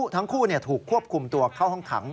ทั้งคู่ถูกควบคุมตัวเข้าห้องขัง